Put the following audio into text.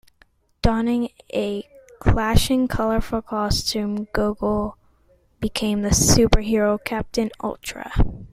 Donning a clashing, colorful costume, Gogol became the superhero Captain Ultra.